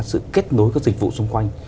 sự kết nối các dịch vụ xung quanh